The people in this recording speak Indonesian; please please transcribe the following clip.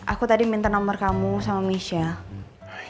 aku tadi minta nomor kamu sama michelle